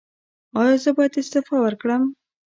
ایا زه باید استعفا ورکړم؟